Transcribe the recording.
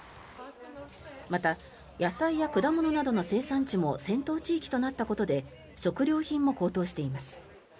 また、野菜や果物などの生産地も戦闘地域となったことで食料品も高騰しています。